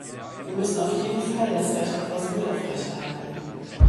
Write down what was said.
Wir müssen auf jeden Fall das Recht auf Asyl aufrechterhalten.